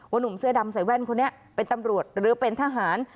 หนุ่มเสื้อดำใส่แว่นคนนี้เป็นตำรวจหรือเป็นทหาร